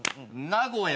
名古屋。